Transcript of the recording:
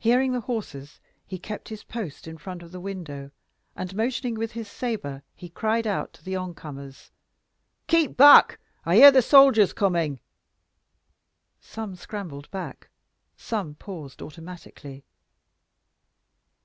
Hearing the horses, he kept his post in front of the window, and, motioning with his sabre, cried out to the oncomers, "Keep back! I hear the soldiers coming." Some scrambled back, some paused automatically.